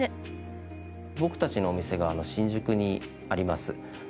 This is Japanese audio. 僕たちのお店が新宿にあります。